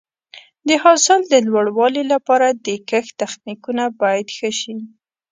د حاصل د لوړوالي لپاره د کښت تخنیکونه باید ښه شي.